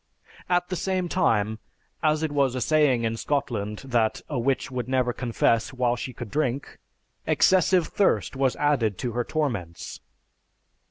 At the same time, as it was a saying in Scotland that a witch would never confess while she could drink, excessive thirst was added to her torments.